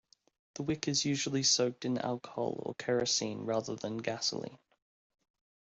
The wick is usually soaked in alcohol or kerosene, rather than gasoline.